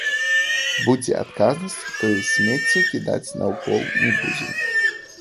Будзе адказнасць, то і смецце кідаць наўкол не будзем.